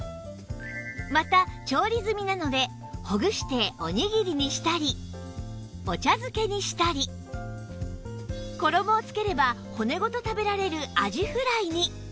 また調理済みなのでほぐしておにぎりにしたりお茶漬けにしたり衣をつければ骨ごと食べられるあじフライに